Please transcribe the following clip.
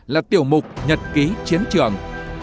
là tiểu mục nhật ký chiến trường